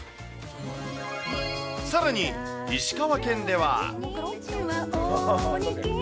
さらに、石川県では。